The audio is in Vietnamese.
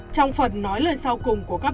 trong phần nói lời sau cùng của các